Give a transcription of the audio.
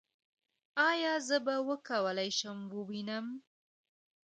ایا زه به وکولی شم ووینم؟